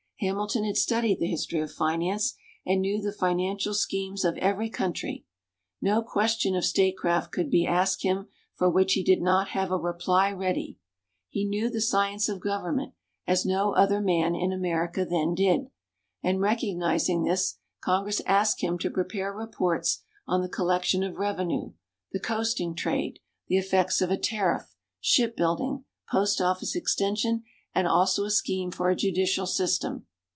Hamilton had studied the history of finance, and knew the financial schemes of every country. No question of statecraft could be asked him for which he did not have a reply ready. He knew the science of government as no other man in America then did, and recognizing this, Congress asked him to prepare reports on the collection of revenue, the coasting trade, the effects of a tariff, shipbuilding, post office extension, and also a scheme for a judicial system.